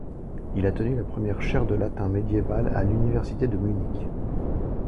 Il a tenu la première chaire de latin médiéval à l'Université de Munich.